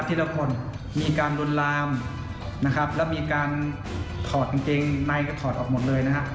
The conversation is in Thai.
ที่ละคนมีการรุนรามนะครับและมีการถอดกางเกงนายก็ถอดออกหมดเลยนะครับ